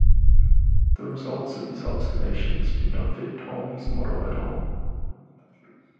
The results of his observations did not fit Ptolemy's model at all.